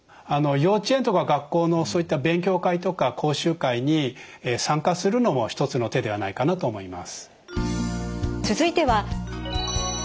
幼稚園とか学校のそういった勉強会とか講習会に参加するのも一つの手ではないかなと思います。